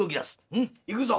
うん行くぞ！